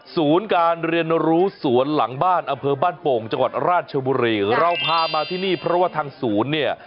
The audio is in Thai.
ศูนย์การเรียนรู้สวนหลังบ้านอำเภอบ้านโป่งจังหวัดราชบุรีเราพามาที่นี่เพราะว่าทางศูนย์เนี่ย